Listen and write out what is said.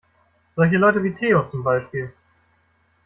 Solche Leute wie Theo, zum Beispiel.